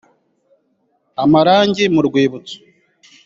amarangi mu rwibutso